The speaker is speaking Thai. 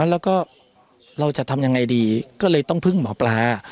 แล้วก็เราจะทำยังไงดีก็เลยต้องพึ่งหมอปลา